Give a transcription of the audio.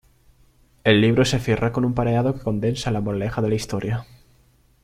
El libro se cierra con un pareado que condensa la moraleja de la historia.